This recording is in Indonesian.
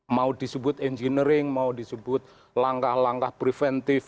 mau disebut engineering mau disebut langkah langkah preventif